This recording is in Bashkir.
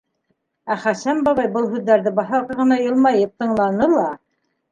Ә Хәсән бабай был һүҙҙәрҙе баҫалҡы ғына йылмайып тыңланы ла: